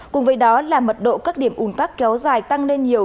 cùng với đó là mật độ các điểm ủn tắc kéo dài tăng lên nhiều